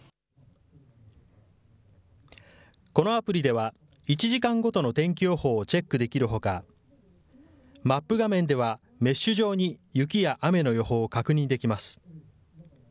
このアプリでは、１時間ごとの天気予報をチェックできるほか、マップ画面ではメッシュ状に雪や雨の予報を確認できます。